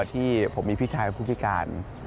ที่ผมมีพี่ชายเป็นผู้พิการ